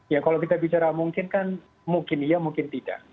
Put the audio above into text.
ya kalau kita bicara mungkin kan mungkin iya mungkin tidak